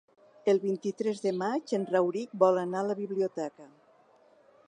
El vint-i-tres de maig en Rauric vol anar a la biblioteca.